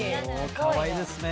かわいいですね。